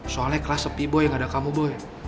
soalnya kelas sepi boy gak ada kamu boy